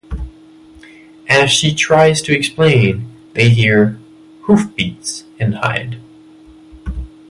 As she tries to explain, they hear hoofbeats and hide.